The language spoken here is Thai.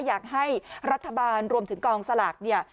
อยากให้รัฐบาลรวมถึงกองสลากเนี่ย